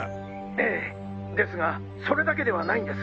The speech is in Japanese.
ええですがそれだけではないんです。